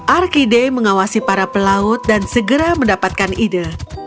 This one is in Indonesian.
arkide mengawasi para pelaut dan segera mendapatkan ide